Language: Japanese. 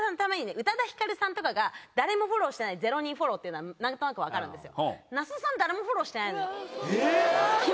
宇多田ヒカルさんとかが誰もフォローしてない０人フォローは何となく分かるんですよ。